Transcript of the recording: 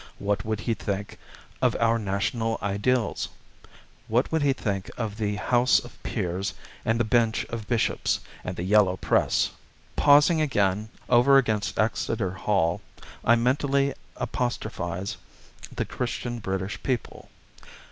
What would he think of our national ideals? What would He think of the House of Peers, and the Bench of Bishops, and the Yellow Press? Pausing again, over against Exeter Hall, I mentally apostrophise the Christian British people.